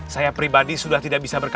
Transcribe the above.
saya pribadi sudah tidak bisa berkata